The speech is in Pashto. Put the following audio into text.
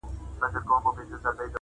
وژني مـې څـــراغ د فکــر، هغه څوک